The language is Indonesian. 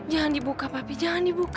jangan dibuka papi jangan dibuka